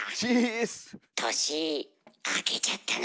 年明けちゃったな。